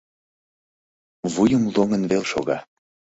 Вуйым лоҥын веле шога.